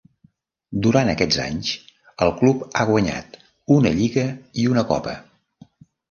Durant aquests anys el club ha guanyat una lliga i una copa.